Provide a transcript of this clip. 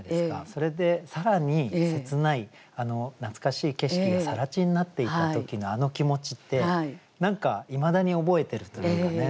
それで更に切ない懐かしい景色が更地になっていた時のあの気持ちって何かいまだに覚えてるというかね。